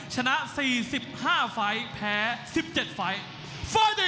ชนะ๔๕ไฟล์แพ้๑๗ไฟล์